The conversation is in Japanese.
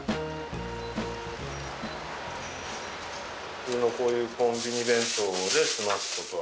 普通のこういうコンビニ弁当で済ますことは？